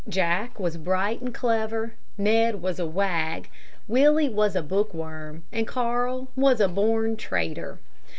Jack was bright and clever, Ned was a wag, Willie was a book worm, and Carl was a born trader.